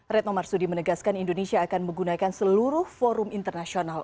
retno marsudi menegaskan indonesia akan menggunakan seluruh forum internasional